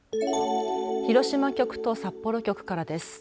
広島局と札幌局からです。